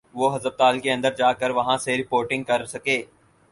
وہ ہسپتال کے اندر جا کر وہاں سے رپورٹنگ کر سکے۔